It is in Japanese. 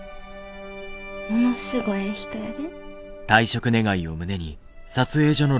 ものすごええ人やで。